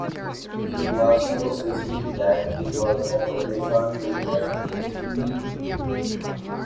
It was so sensitive that it was often referred to as a "fuming liquid."